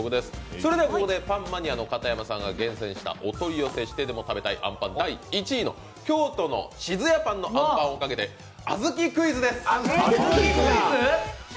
それではここで、パンマニアの片山さんが厳選した、お取り寄せしてでも食べたいあんぱん第１位の京都のＳＩＺＵＹＡＰＡＮのあんぱんをかけて小豆クイズです。